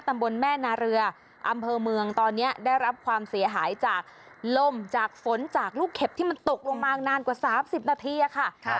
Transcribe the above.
ตำบลแม่นาเรืออำเภอเมืองตอนนี้ได้รับความเสียหายจากลมจากฝนจากลูกเห็บที่มันตกลงมานานกว่า๓๐นาทีค่ะ